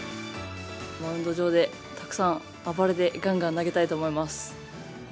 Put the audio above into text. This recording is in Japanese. マウンド上でたくさん暴れて、がんがん投げたいと思います。